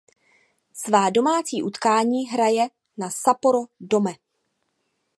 Svá domácí utkání hraje na Sapporo Dome.